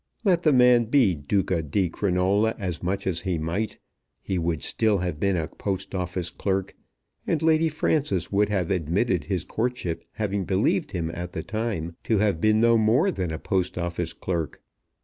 Let the man be Duca di Crinola as much as he might, he would still have been a Post Office clerk, and Lady Frances would have admitted his courtship having believed him at the time to have been no more than a Post Office clerk.